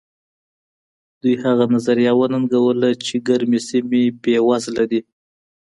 دوی هغه نظریه وننګوله چې ګرمې سیمې بېوزله دي.